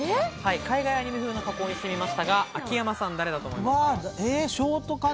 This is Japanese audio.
海外アニメ風の加工にしてみましたが、秋山さん、誰だと思いますか？